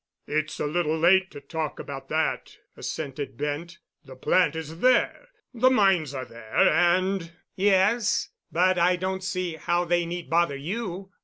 "It's a little late to talk about that," assented Bent. "The plant is there, the mines are there, and——" "Yes. But I don't see how they need bother you.